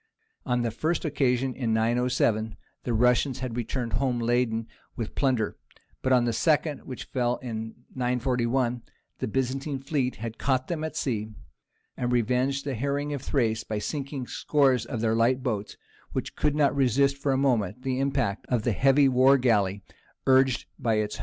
On the first occasion in 907, the Russians had returned home laden with plunder, but on the second, which fell in 941, the Byzantine fleet had caught them at sea, and revenged the harrying of Thrace by sinking scores of their light boats, which could not resist for a moment the impact of the heavy war galley urged by its hundred oars.